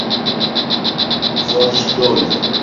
voĉdoni